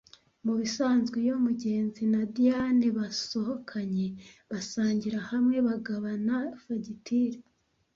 Mubisanzwe iyo Mugenzi na Diyane basohokanye basangira hamwe, bagabana fagitire.